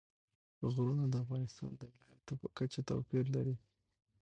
غرونه د افغانستان د ولایاتو په کچه توپیر لري.